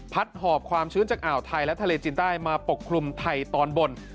หอบความชื้นจากอ่าวไทยและทะเลจีนใต้มาปกคลุมไทยตอนบน